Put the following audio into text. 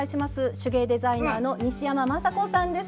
手芸デザイナーの西山眞砂子さんです。